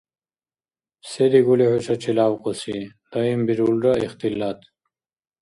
— Се дигули хӀушачи лявкьуси? — даимбирулра ихтилат.